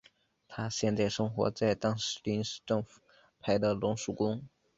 他现在生活在当时临时政府安排的龙树宫。